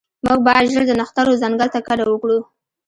موږ باید ژر د نښترو ځنګل ته کډه وکړو